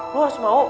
lo harus mau